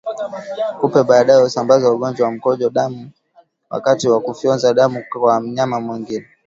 Kupe baadaye husambaza ugonjwa wa mkojo damu wakati wa kufyonza damu kwa mnyama mwingine